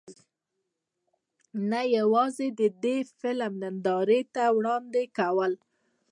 نۀ يواځې د دې فلم نندارې ته وړاندې کول